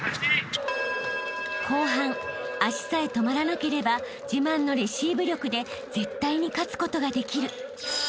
［後半足さえ止まらなければ自慢のレシーブ力で絶対に勝つことができる］